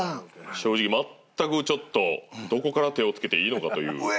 正直全くちょっとどこから手を付けていいのかという。